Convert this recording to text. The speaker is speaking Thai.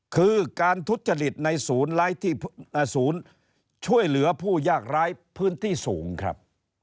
คือการทุจริตในศูนย์ช่วยเหลือผู้ยากร้ายพื้นที่สูงครับ